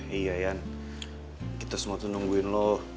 iya ian kita semua tuh nungguin lu